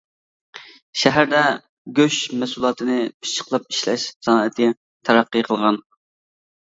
شەھەردە گۆش مەھسۇلاتىنى پىششىقلاپ ئىشلەش سانائىتى تەرەققىي قىلغان.